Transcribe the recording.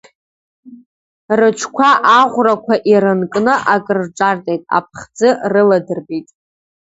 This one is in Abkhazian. Рыҽқәа аӷәрақәа ирынкны акрырҿарҵеит, аԥхӡы рыладырбеит.